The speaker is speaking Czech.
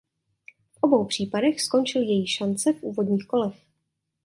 V obou případech skončili její šance v úvodních kolech.